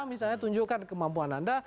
misalnya tunjukkan kemampuan anda